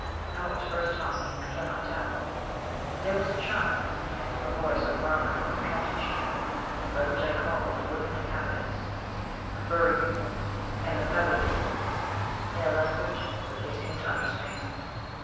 How it was first taught me, I cannot tell; but there was a charm a voice, a murmur, a kind of chant by which I called the woodland inhabitants, the furry people, and the feathered people, in a language that they seemed to understand."